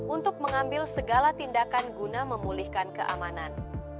untuk mengambil segala tindakan guna memulihkan keamanan